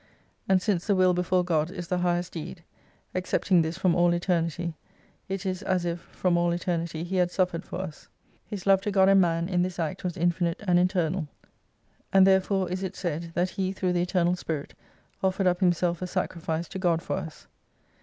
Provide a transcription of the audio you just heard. And since the Will before God is the Highest Deed : accepting this from all Eternity, it is as if from all Eternity He had suffered for us. His love to God and man, in this Act was infinite and eternal. And therefore is it said, that He through the Eternal Spirit, offered up Himself a sacri fice to God for us.